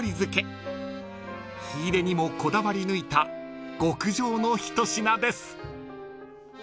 ［火入れにもこだわり抜いた極上の一品です］